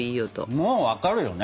もう分かるよね！